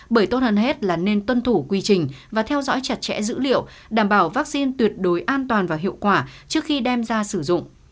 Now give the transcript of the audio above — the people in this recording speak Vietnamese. bởi tốt hơn hết là nên tuân thủ quy trình và theo dõi chặt chẽ dữ liệu đảm bảo vaccine tuyệt đối an toàn và hiệu quả trước khi đem ra sử dụng